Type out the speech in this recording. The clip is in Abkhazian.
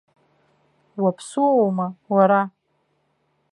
Уаԥсыуоума, уара?!